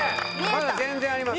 まだ全然あります。